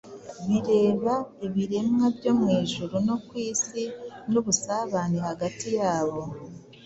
bireba ibiremwa byo mwijuru no kwisi nubusabane hagati yabo;